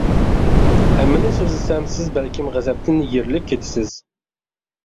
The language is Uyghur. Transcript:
ھەممىنى سۆزلىسەم، سىز بەلكىم غەزەپتىن يېرىلىپ كېتىسىز.